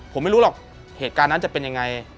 ผมไม่รู้หรอกเหตุการณ์นั้นจะเป็นยังไง